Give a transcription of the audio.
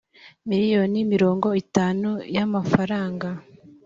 miliyoni mirongo itanu y’amafaranga